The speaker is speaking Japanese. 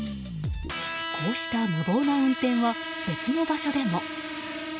こうした無謀な運転は別の場所でも。